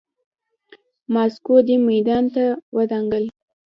ماسکو دې میدان ته ودانګل.